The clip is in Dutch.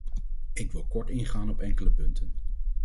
Ik wil kort ingaan op enkele punten.